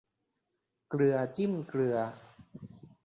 เกลือจิ้มเกลือ